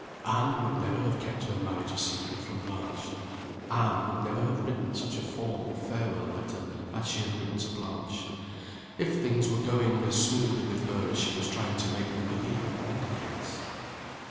Anne would never have kept her marriage a secret from Blanche; Anne would never have written such a formal farewell letter as she had written to Blanche if things were going as smoothly with her as she was trying to make them believe at Windygates.